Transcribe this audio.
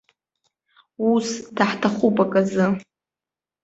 Ус, даҳҭахуп аказы.